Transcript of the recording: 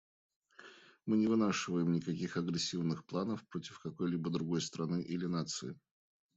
Мы не вынашиваем никаких агрессивных планов против какой-либо другой страны или нации.